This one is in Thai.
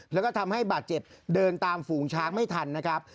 แล้วก็ทำให้บาดเจ็บเดินตามฝูงช้างไม่ทันนะครับ